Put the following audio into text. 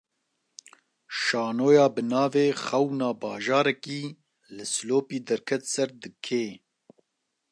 Şanoya bi navê "Xewna Bajarekî", li Silopî derket ser dikê